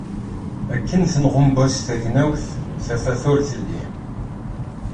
Akken tenɣumbas tegnawt, tafat ur telli.